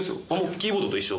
キーボードと一緒。